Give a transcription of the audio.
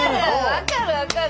分かる分かる！